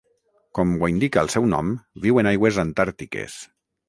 Com ho indica el seu nom, viu en aigües antàrtiques.